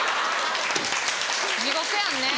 地獄やんね。